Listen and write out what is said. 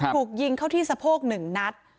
ถูกยิงเข้าที่สะโพก๑นัด